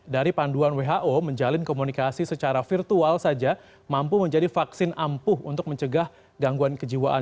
dari panduan who menjalin komunikasi secara virtual saja mampu menjadi vaksin ampuh untuk mencegah gangguan kejiwaan